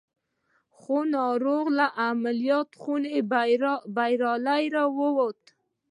خو ناروغ له عملیات خونې بریالی را وووت